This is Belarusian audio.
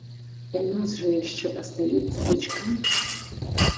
У нас жа яшчэ астаецца дачка?